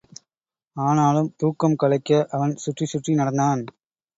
ஆனாலும் தூக்கம் கலைக்க அவன் சுற்றிச் சுற்றி நடந்தான்.